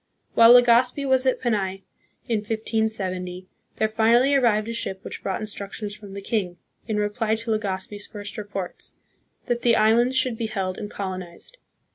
While Legazpi was at Panay, in 1570, there finally arrived a ship which brought instructions from the king, in reply to Legazpi's first reports, that the islands should be held and colonized.